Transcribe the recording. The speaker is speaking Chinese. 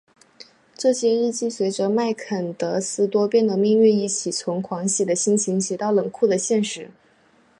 这些日记随着麦坎德斯多变的命运一起从狂喜的心情写到冷酷的现实。